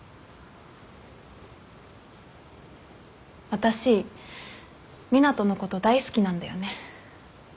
私湊斗のこと大好きなんだよね。